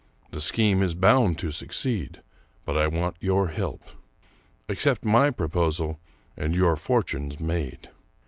The scheme is bound to succeed, but I want your help. Accept my proposal and your fortune's made.